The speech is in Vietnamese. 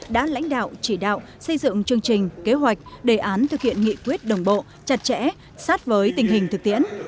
đã lãnh đạo chỉ đạo xây dựng chương trình kế hoạch đề án thực hiện nghị quyết đồng bộ chặt chẽ sát với tình hình thực tiễn